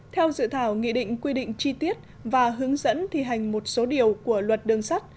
theo dự thảo nghị định quy định chi tiết và hướng dẫn thi hành một số điều của luật đường sắt